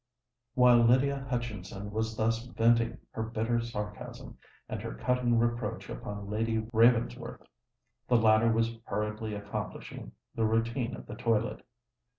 While Lydia Hutchinson was thus venting her bitter sarcasm and her cutting reproach upon Lady Ravensworth, the latter was hurriedly accomplishing the routine of the toilet.